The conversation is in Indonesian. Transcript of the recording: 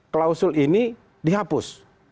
klausul ini dihapus